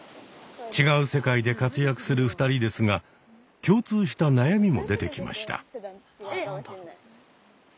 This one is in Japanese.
違う世界で活躍する２人ですが共通した悩みも出てきました。